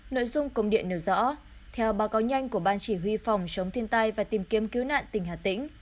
nội dung công điện nêu rõ theo báo cáo nhanh của ban chỉ huy phòng chống thiên tai và tìm kiếm cứu nạn tỉnh hà tĩnh